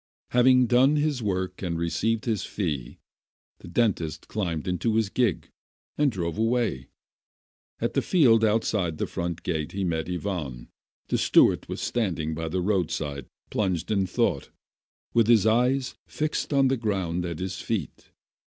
Having done his work and received his fee, the dentist climbed into his gig, and drove away. In the field outside the front gate he met Ivan. The Digitized byV^iOOQLC A HORSEY NAME 277 steward was standing by the roadside plunged in thought, with his eyes fixed on the ground at his feet.